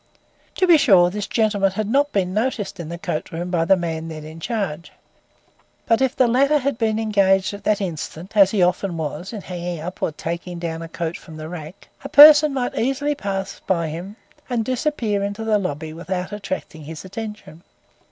To be sure, this gentleman had not been noticed in the coatroom by the man then in charge, but if the latter had been engaged at that instant, as he often was, in hanging up or taking down a coat from the rack, a person might easily pass by him and disappear into the lobby without attracting his attention.